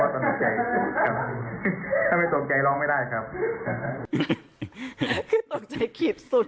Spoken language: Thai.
ป้องกันตังค์จากร้องแม่เฉพาะร้องใจครับขอบคุณครับ